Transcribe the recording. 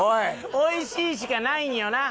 美味しいしかないんよな？